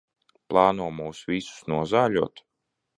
Plāno mūs visus nozāļot?